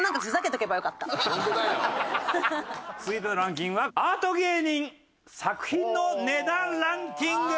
続いてのランキングはアート芸人作品の値段ランキング！